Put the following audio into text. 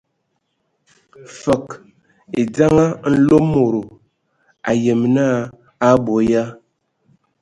Fəg e dzeŋa Mlomodo, a ayem naa a abɔ ya.